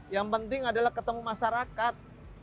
yang penting adalah ketemu masyarakat